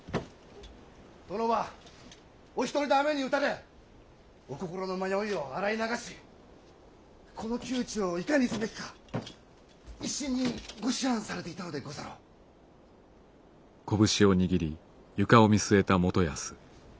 殿はお一人で雨に打たれお心の迷いを洗い流しこの窮地をいかにすべきか一心にご思案されていたのでござろう？来る！